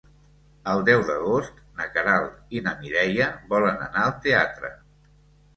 El deu d'agost na Queralt i na Mireia volen anar al teatre.